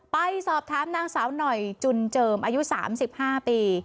ไปสอบถามนางสาวหน่อยจุนเจิมอายุ๓๕ปี